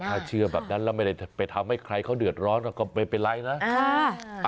ถ้าเชื่อแบบนั้นแล้วไม่ได้ไปทำให้ใครเขาเดือดร้อนก็ไม่เป็นไรนะ